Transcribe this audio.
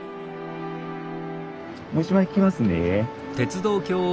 もう１枚いきますね。